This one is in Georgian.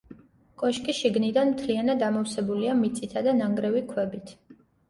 კოშკი შიგნიდან მთლიანად ამოვსებულია მიწითა და ნანგრევი ქვებით.